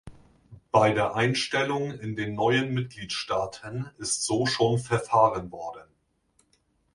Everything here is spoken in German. Bei der Einstellung in den neuen Mitgliedstaaten ist so schon verfahren worden.